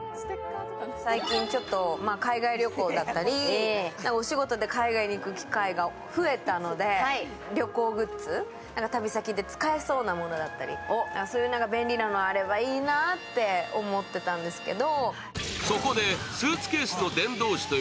最近ちょっと海外旅行だったり、お仕事で海外に行く機会が増えたので、旅行グッズ、旅先で使えそうなものだったり、そういう便利なのがあればいいなって思ってたんですけど。